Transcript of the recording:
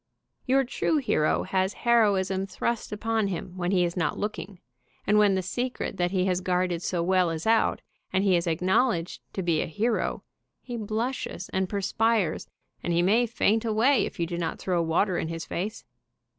Your true hero has heroism thrust upon him when he is not looking, and when the secret that he has guarded so well is out, and he is acknowledged 'to be a hero, he blushes and perspires, and he may faint away if you do not throw water in his face.